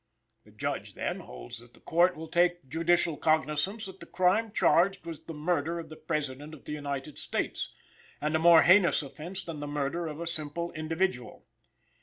The Judge, then, holds that the Court will take judicial cognizance that the crime charged was the murder of the President of the United States, and a more heinous offense than the murder of a simple individual.